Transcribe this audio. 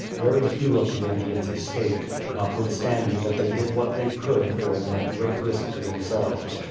Very few of the Indians escaped, notwithstanding that they did what they could for them at great risk to themselves.